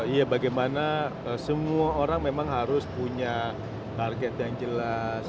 iya bagaimana semua orang memang harus punya target yang jelas